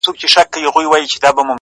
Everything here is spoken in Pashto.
سم د قصاب د قصابۍ غوندي ـ